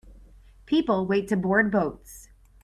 People wait to board boats.